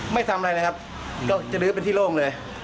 ไม่ทำอะไรเลยครับก็จะลื้อเป็นที่โล่งเลย